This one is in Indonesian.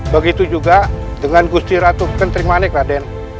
begitu juga dengan gusti ratu ketering manik raden